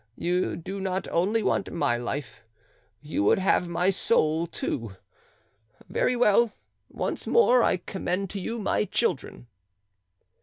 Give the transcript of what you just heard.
You do not only want my life; you would have my soul too. Very well; once more I commend to you my children."